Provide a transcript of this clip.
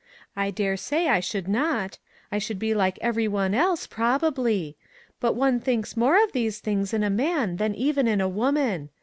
I dare say I should not ; I should be like every one else, prob ably. But one thinks more of these things in a man than even in a woman.